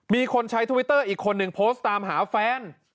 มีคนใช้ทวิตเตอร์อีกคนหนึ่งโพสต์ตามหาแฟน